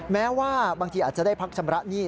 แม้ว่าบางทีอาจจะได้พักชำระหนี้